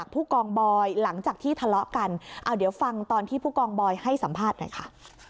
ผู้กองบอยหลังจากที่ทะเลาะกันเอาเดี๋ยวฟังตอนที่ผู้กองบอยให้สัมภาษณ์หน่อยค่ะ